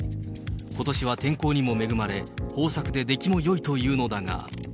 ことしは天候にも恵まれ、豊作で出来もよいというのだが。